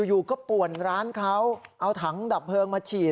อยู่ก็ป่วนร้านเขาเอาถังดับเพลิงมาฉีด